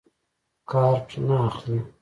کارټ نه اخلي.